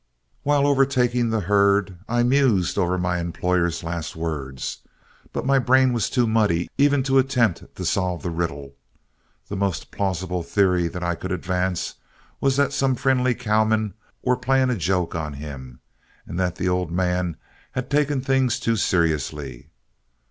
While overtaking the herd, I mused over my employer's last words. But my brain was too muddy even to attempt to solve the riddle. The most plausible theory that I could advance was that some friendly cowmen were playing a joke on him, and that the old man had taken things too seriously.